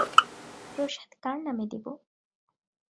প্রসাদ কার নামে দিবো?